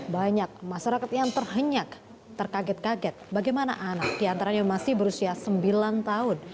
banyak masyarakat yang terhenyak terkaget kaget bagaimana anak diantaranya masih berusia sembilan tahun